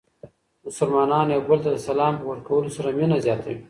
مسلمانان یو بل ته د سلام په ورکولو سره مینه زیاتوي.